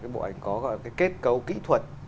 bộ ảnh có cái kết cấu kỹ thuật